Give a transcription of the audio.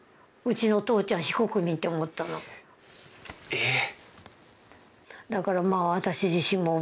えっ？